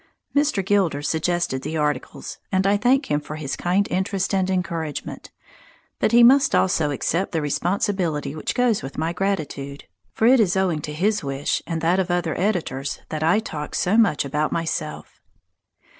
Mr. Gilder suggested the articles, and I thank him for his kind interest and encouragement. But he must also accept the responsibility which goes with my gratitude. For it is owing to his wish and that of other editors that I talk so much about myself.